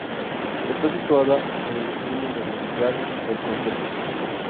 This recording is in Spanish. Está situada en el extremo nororiental del concejo.